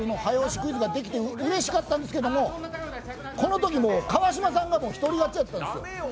クイズできてうれしかったんですけど、このとき、川島さんが一人勝ちやったんですよ。